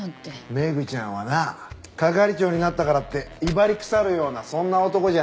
メグちゃんはな係長になったからって威張りくさるようなそんな男じゃない！